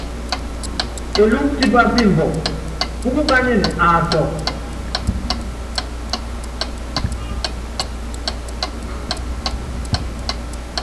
Elúkú tipá pimbukɔ, púkukányinɛ aatukɔ.